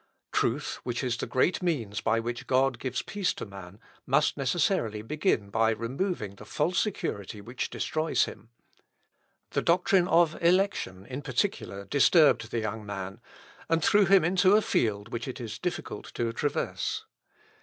Truth, which is the great means by which God gives peace to man, must necessarily begin by removing the false security which destroys him. The doctrine of election, in particular, disturbed the young man, and threw him into a field which it is difficult to traverse.